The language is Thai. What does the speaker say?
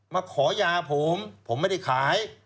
มาขอยาผมผมไม่ได้ขาย